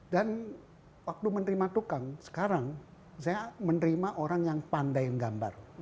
dan waktu menerima tukang sekarang saya menerima orang yang pandai menggambar